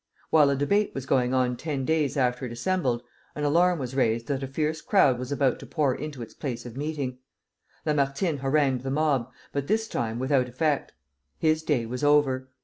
While a debate was going on ten days after it assembled, an alarm was raised that a fierce crowd was about to pour into its place of meeting. Lamartine harangued the mob, but this time without effect. His day was over.